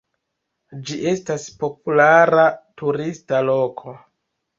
Ĝi estas populara turista loko.